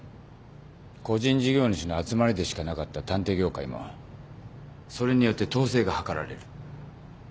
個人事業主の集まりでしかなかった探偵業界もそれによって統制が図られる。